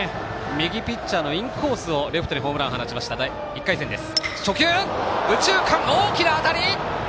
右ピッチャーのインコースをレフトにホームランを放ちました１回戦です。